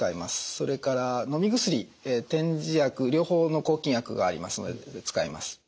それからのみ薬点耳薬両方の抗菌薬がありますので使います。